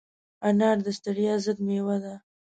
انار د ستړیا ضد مېوه ده.